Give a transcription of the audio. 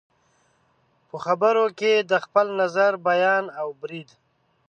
په خبرو کې د خپل نظر بیان او برید